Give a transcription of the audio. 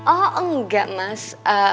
oh enggak mas